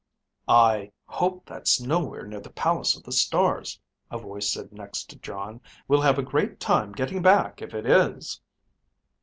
"I hope that's nowhere near the Palace of the Stars," a voice said next to Jon. "We'll have a great time getting back if it is."